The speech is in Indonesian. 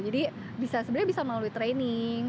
jadi bisa sebenarnya bisa melalui training